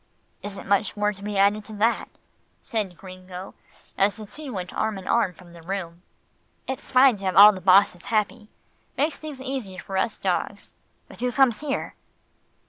"Isn't much more to be added to that," said Gringo, as the two went arm in arm from the room. "It's fine to have all the bosses happy. Makes things easier for us dogs but who comes here?"